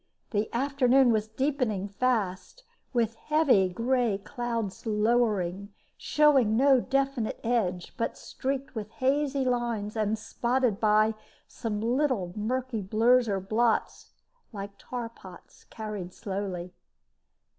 The afternoon was deepening fast, with heavy gray clouds lowering, showing no definite edge, but streaked with hazy lines, and spotted by some little murky blurs or blots, like tar pots, carried slowly.